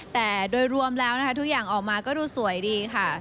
แต่โดยรวมแล้วนะคะทุกอย่างออกมาก็ดูสวยดีค่ะ